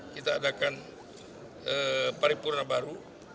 kita adakan paripurna baru